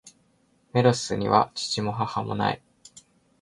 メロスには父も、母も無い。